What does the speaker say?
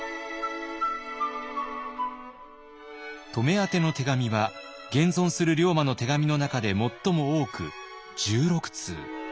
乙女宛ての手紙は現存する龍馬の手紙の中で最も多く１６通。